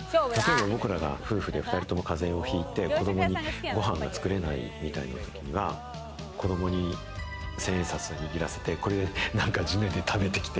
僕らが夫婦で２人とも風邪をひいて、子供にご飯がつくれないみたいな時は子供に１０００円札握らせて、何かジュネで食べてきて！